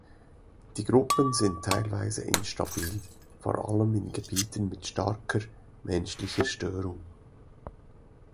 Die Gruppen sind teilweise instabil, vor allem in Gebieten mit starker menschlicher Störung.